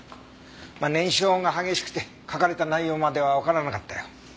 燃焼が激しくて書かれた内容まではわからなかったよ。